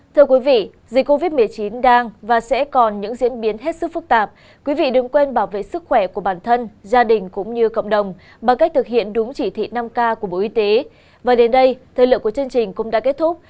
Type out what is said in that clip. thưa quý vị dịch covid một mươi chín đang và sẽ còn những diễn biến hết sức phức tạp